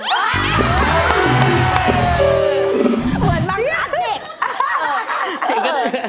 เหมือนบังคับเด็ก